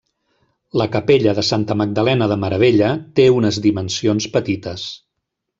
La capella de Santa Magdalena de Meravella té unes dimensions petites.